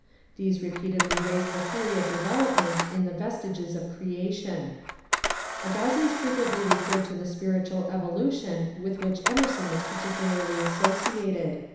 These repeatedly raised the theory of development in ^' The Vestiges of Creation." 162 MONCURE DANIEL CONWAY Agassiz frequently referred to the spiritual evolution with which Emerson was particularly associated.